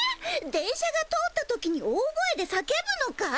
電車が通った時に大声で叫ぶのかい？